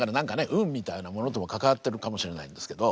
運みたいなものとも関わってるかもしれないんですけど。